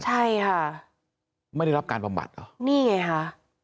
ใช่ค่ะไม่ได้รับการบำบัดเหรอนี่ไงค่ะ